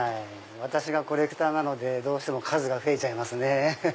私がコレクターなのでどうしても数が増えちゃいます。